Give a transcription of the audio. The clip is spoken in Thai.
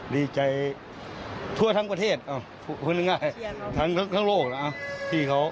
ดีใจทั่วทั้งประเทศทั้งโลกนะครับ